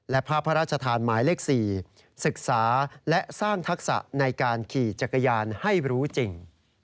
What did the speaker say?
และภาพพระราชทานหมายเลข๔ศึกษาและสร้างทักษะในการขี่จักรยานให้รู้จริง